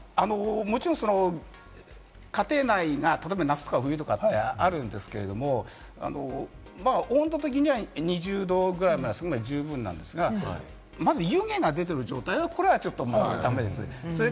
もちろん家庭内、例えば夏とか冬とかってあるんですけれども、温度的には２０度ぐらいまですれば十分なんですが、まず湯気が出てる状態は、これはちょっとダメです。